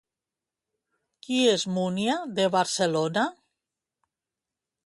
Qui és Múnia de Barcelona?